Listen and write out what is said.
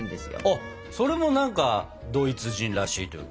あっそれも何かドイツ人らしいというかね。